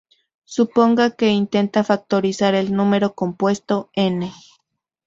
Suponga que intenta factorizar el número compuesto "n".